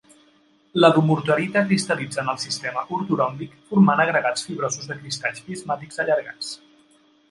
La dumortierita cristal·litza en el sistema ortoròmbic formant agregats fibrosos de cristalls prismàtics allargats.